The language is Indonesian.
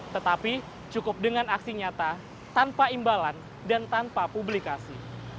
tetapi cukup dengan aksi nyata tanpa imbalan dan tanpa publikasi